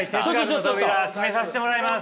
哲学の扉閉めさしてもらいます。